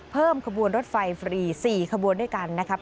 ขบวนรถไฟฟรี๔ขบวนด้วยกันนะครับ